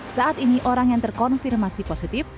saat ini orang yang terkonfirmasi positif